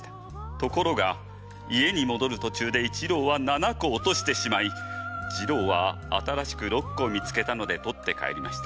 ところが家に戻る途中で一郎は７個落としてしまい次郎は新しく６個見つけたので採って帰りました。